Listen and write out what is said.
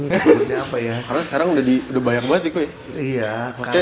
karena sekarang udah banyak banget ya